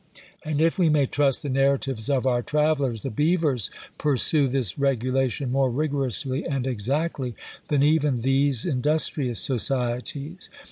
And if we may trust the narratives of our travellers, the beavers pursue this regulation more rigorously and exactly than even these industrious societies.